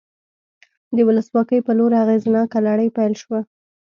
د ولسواکۍ په لور اغېزناکه لړۍ پیل شوه.